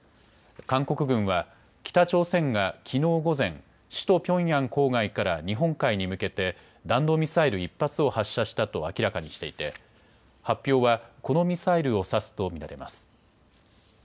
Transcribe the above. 韓国軍は北朝鮮がきのう午前、首都ピョンヤン郊外から日本海に向けて弾道ミサイル１発を発射したと明らかにしていて発表はこのミサイルを指すと見られます。